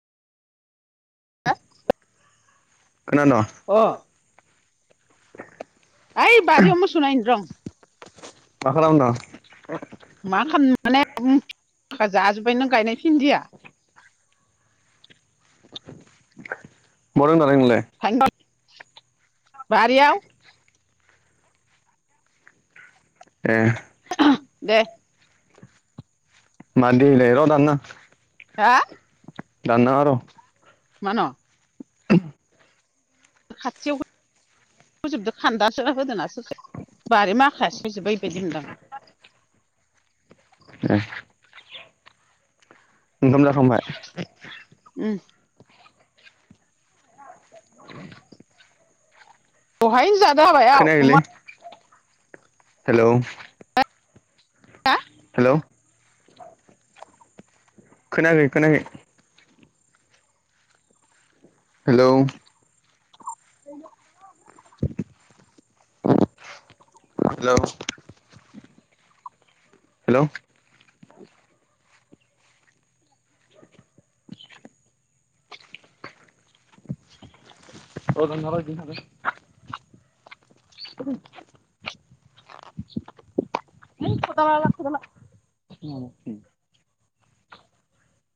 अ [inaudible] खोनाद ऐ बारियाव मसौनायनो र। मा खालाम दों मा खाम माने जाजोब्बाय नों गायनाय भिन्दिया बहा दं दालाय नोंलाय बारिआव ए। दे। मादि इलाय र दान‌ना हा। दाननाङा र मान' खाथियाव होजोबदो खान्दासोना होदोना ससे। बारि माखाया सोजोबबाय बेबायदिमोनदां ए ओंखाम जाखांबाय। ओम दहायनो जादो हाबाय खोनायाखैलै अमा हेलौ हेल' खोनायाखै खोनायाखै हेलौ हेलौ हेल' र दानजाबाय बिदिनो थाथों ऐ खदाला लां खदाला